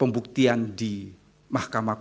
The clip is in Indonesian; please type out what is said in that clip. pembuktian di mahkamah